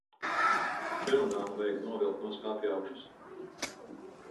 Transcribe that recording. Čemodānu vajag novilkt no skapjaugšas.